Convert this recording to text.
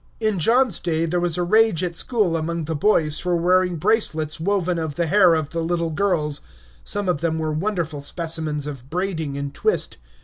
In John's day there was a rage at school among the boys for wearing bracelets woven of the hair of the little girls. Some of them were wonderful specimens of braiding and twist.